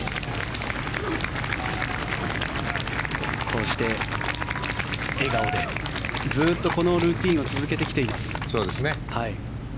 こうして笑顔でずっとこのルーティンを続けてきています。